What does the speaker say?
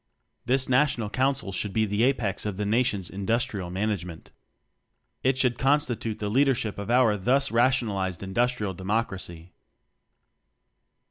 This National Council should be the apex of the Nation's Industrial Man agement. It should constitute the Leadership of our thus rationalized Industrial Democracy.